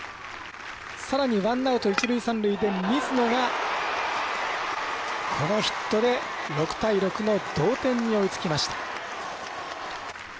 さらにワンアウト、一塁、三塁で水野がこのヒットで６対６の同点に追いつきました。